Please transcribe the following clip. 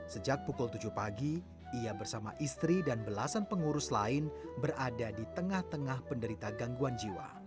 sejak pukul tujuh pagi ia bersama istri dan belasan pengurus lain berada di tengah tengah penderita gangguan jiwa